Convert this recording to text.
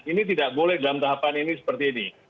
ini tidak boleh dalam tahapan ini seperti ini